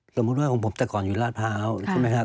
สมมุติว่าผมตะกอนอยู่ราชภาวใช่ไหมคะ